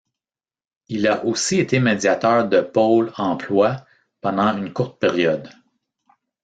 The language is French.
Il a aussi été médiateur de Pôle emploi pendant une courte période.